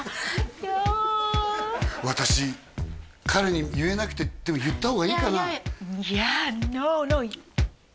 ＹｅａｈＹｅａｈ「私彼に言えなくてでも言った方がいいかな？」